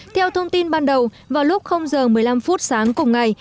theo thông tin ban đầu vào lúc giờ một mươi năm phút sáng cùng ngày